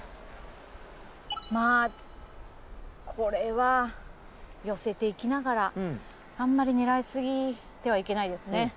まあこれは寄せていきながらあんまり狙いすぎてはいけないですね。